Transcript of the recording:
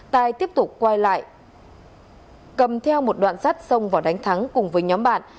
tài tiếp tục quay lại cầm theo một đoạn sắt xông vào đánh thắng cùng với nhóm bạn